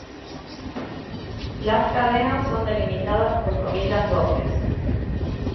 Las cadenas son delimitadas por comillas dobles.